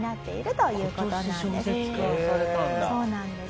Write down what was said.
そうなんです。